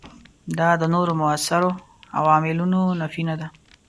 دا د نورو موثرو عواملونو نفي نه ده.